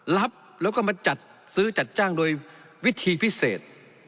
รับแล้วก็มาจัดซื้อจัดจ้างโดยวิธีพิเศษ